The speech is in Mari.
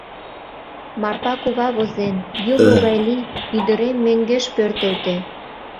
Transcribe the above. Марпа кува возен: «Юмо гай лий, ӱдырем мӧҥгеш пӧртылтӧ.